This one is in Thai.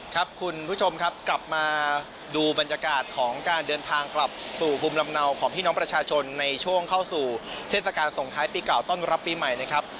ครับคุณผู้ชมครับกลับมาดูบรรยากาศของการเดินทางกลับสู่ภูมิลำเนาของพี่น้องประชาชนในช่วงเข้าสู่เทศกาลส่งท้ายปีเก่าต้อนรับปีใหม่นะครับ